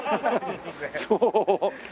そう？